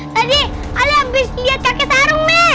tadi aku habis liat kt sarung meh